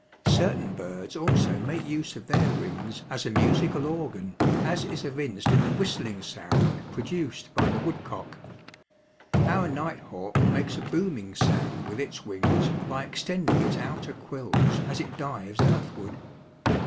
Certain birds also make use of their wings as a musical organ, as is evinced in the whistling sound produced by the woodcock. Our nighthawk makes a booming sound with its wings by extending its outer quills as it dives earthward.